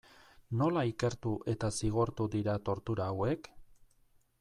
Nola ikertu eta zigortu dira tortura hauek?